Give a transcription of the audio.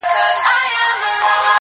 نو خود به اوس ورځي په وينو رنگه ككــرۍ.!